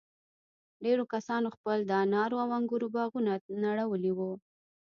ډېرو کسانو خپل د انارو او انگورو باغونه نړولي وو.